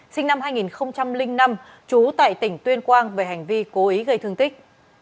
sinh năm hai nghìn năm trú tại tỉnh tuyên quang về hành vi cố ý gây thương tích